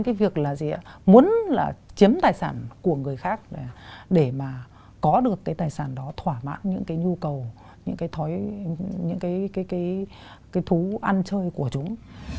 cái việc là gì ạ muốn là chiếm tài sản của người khác để mà có được cái tài sản đó thỏa mãn những cái nhu cầu những cái những cái thú ăn chơi của chúng